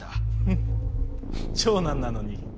フッ長男なのに。